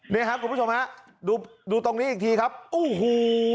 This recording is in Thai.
นี่ครับคุณผู้ชมฮะดูดูตรงนี้อีกทีครับโอ้โห